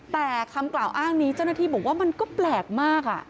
แต่คำกล่าวอ้างนี้เจ้าหน้าที่บอกว่ามันก็แปลกมาก